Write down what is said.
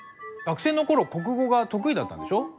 学生の頃国語が得意だったんでしょ？